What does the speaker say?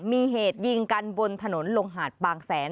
มีเหตุยิงกันบนถนนลงหาดบางแสน